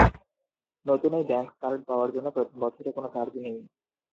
নতুন এই bank card পাওয়ার জন্য প্রথম বছরে কোনো চার্জ নেই।